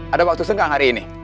ada waktu senggang hari ini